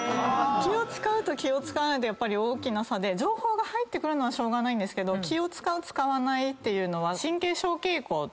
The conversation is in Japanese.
気を使うと使わないで大きな差で情報が入ってくるのはしょうがないんですけど気を使う使わないっていうのは。